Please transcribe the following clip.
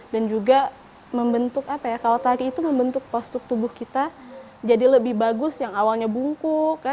dan juga kalau tari itu membentuk postur tubuh kita jadi lebih bagus yang awalnya bungkuk